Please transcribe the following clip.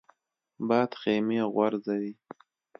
باد خیمې غورځوي